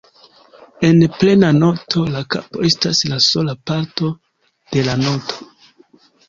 En plena noto, la kapo estas la sola parto de la noto.